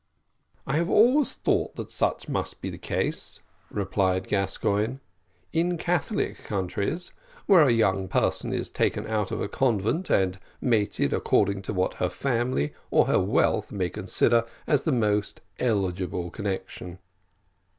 "I have always thought that such must be the case," replied Gascoigne, "in Catholic countries, where a young person is taken out of a convent and mated according to what her family or her wealth may consider as the most eligible connection."